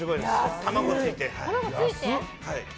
卵ついて。